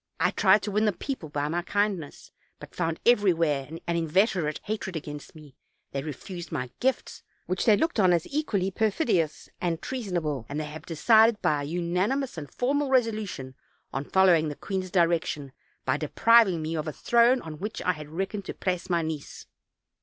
I tried to win the people by my kind ness, but found everywhere an inveterate hatred against me; they refused my gifts, which they looked on as equally perfidious and treasonable, and they have decided by a unanimous and formal resolution on following the queen's direction, by depriving me of a throne on which I had reckoned to place my niece.